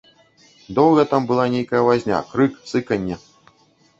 Доўга там была нейкая вазня, крык, сыканне.